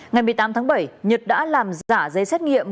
ngày một mươi tám tháng bảy nhật đã làm giả giấy xét nghiệm